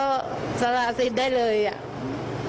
ก็สาราสิทธิ์ได้เลยอ่ะ